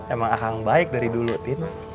emang akang baik dari dulu din